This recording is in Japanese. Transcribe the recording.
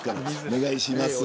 お願いします。